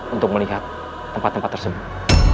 untuk melihat tempat tempat tersebut